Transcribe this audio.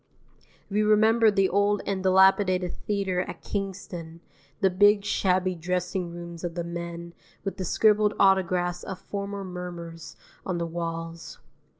We remember the old and dilapidated theatre at Kingston, the big shabby dressing rooms of the men, with the scribbled autographs of former mummers on the walls.